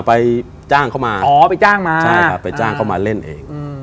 ไปจ้างเข้ามาไปจ้างเข้ามาเล่นเอง